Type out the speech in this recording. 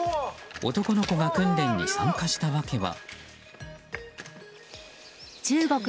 男の子が訓練に参加した訳は。